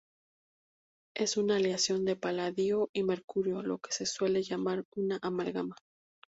Es una aleación de paladio y mercurio, lo que se suele llamar una amalgama.